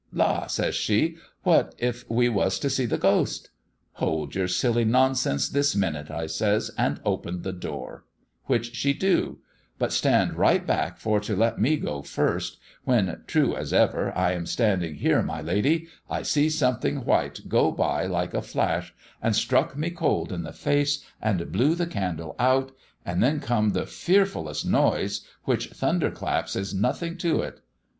'La!' says she, 'what if we was to see the ghost?' 'Hold your silly nonsense this minute,' I says, 'and open the door,' which she do, but stand right back for to let me go first, when, true as ever I am standing here, my lady, I see something white go by like a flash, and struck me cold in the face, and blew the candle out, and then come the fearfullest noise, which thunderclaps is nothing to it.